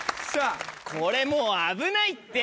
これもう危ないって！